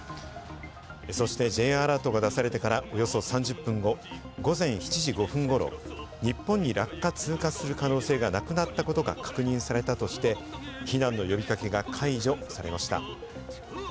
そしてＪアラートが出されてからおよそ３０分後の午前７時５分頃、日本に落下・通過する可能性がなくなったことが確認されたとして、避難の呼び掛けが解除されました。